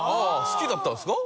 好きだったんですか？